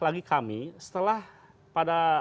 lagi kami setelah pada